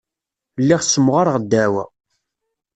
Lliɣ ssemɣareɣ ddeɛwa.